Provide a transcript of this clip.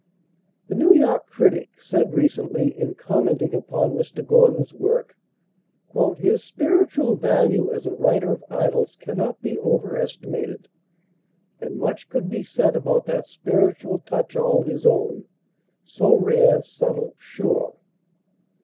The New York Critic said recently, in commenting upon Mr. Gordon's work: "His spiritual value as a writer of idylls cannot be overestimated, and much could be said about that spiritual touch all his own, so rare, subtle, sure.